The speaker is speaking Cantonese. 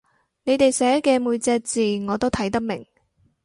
你哋寫嘅每隻字我都睇得明